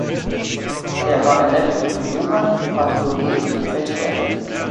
Er war ein Neffe von Johann Bartholome Rechsteiner.